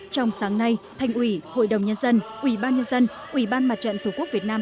trong sáng nay thành ủy hội đồng nhân dân ủy ban nhân dân ủy ban mặt trận tổ quốc việt nam